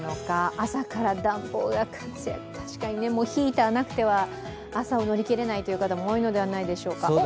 朝から暖房が活躍、確かにヒーターなくては、朝を乗り切れないという方も多いのではないでしょうか。